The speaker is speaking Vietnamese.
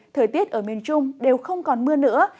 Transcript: thời tiết ở miền trung đều không còn mưa nữa